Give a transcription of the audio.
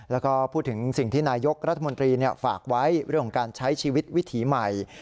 แล้วก็พูดถึงสิ่งที่นายกรัฐมนตรีฝากไว้เรื่องของการใช้ชีวิตวิถีใหม่